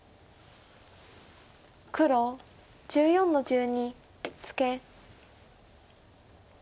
黒１４の十二ツケ。